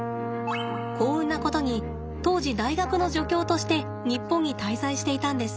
幸運なことに当時大学の助教として日本に滞在していたんです。